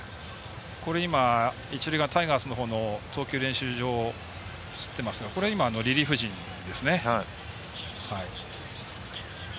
今、一塁側タイガースのほうの投球練習場が映っていますがこれはリリーフ陣ですね。